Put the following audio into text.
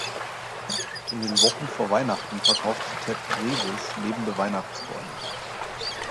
In den Wochen vor Weihnachten verkauft Ted Drewes lebende Weihnachtsbäume.